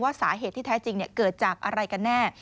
สาเหตุที่แท้จริงเกิดจากอะไรกันแน่